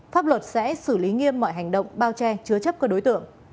pháp luật sẽ xử lý nghiêm mọi hành động bao che chứa chấp các đối tượng